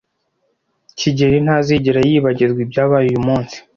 kigeli ntazigera yibagirwa ibyabaye uyu munsi.